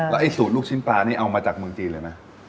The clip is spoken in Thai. ไอ้สูตรลูกชิ้นปลานี่เอามาจากเมืองจีนเลยนะ